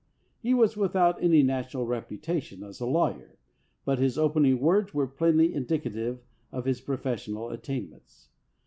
He was without any national reputa tion as a lawyer, but his opening words were plainly indicative of his professional attainments.